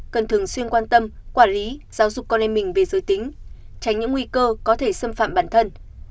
cần thường xuyên quan tâm quản lý giáo dục con em mình về giới tính tránh những nguy cơ có thể xâm phạm bản thân